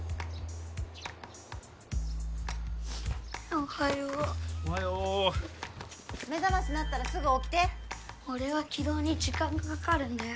おはようおはよう目覚まし鳴ったらすぐ起きて俺は起動に時間がかかるんだよ